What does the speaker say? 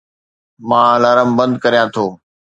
مان الارم بند ڪريان ٿو